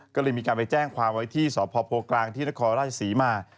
ก็เลยมีการไปแจ้งความไว้ที่สพโพกลางที่นครราชศรีมา